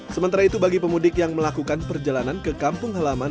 sementara itu bagi pemudik yang melakukan perjalanan ke kampung halaman